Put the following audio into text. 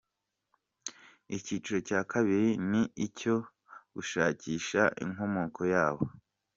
Icyiciro cya kabiri ni icyo gushakisha inkomoko yabo.